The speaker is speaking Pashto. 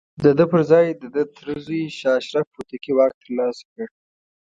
د ده پر ځاى د ده تره زوی شاه اشرف هوتکي واک ترلاسه کړ.